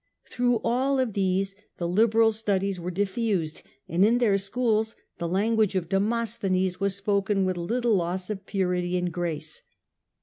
Through all of these the liberal studies were diffused, and in their schools the language of Demosthenes was spoken with little loss of purity and grace.